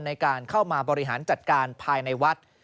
ในการเข้ามาบริหารจัดการภายในวัด